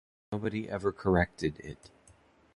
Nobody ever corrected it.